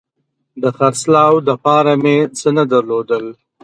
د خرڅلاو دپاره مې څه نه درلودل